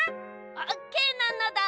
オーケーなのだ。